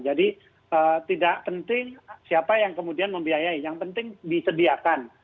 jadi tidak penting siapa yang kemudian membiayai yang penting disediakan